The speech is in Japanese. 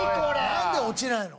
「なんで落ちないの？」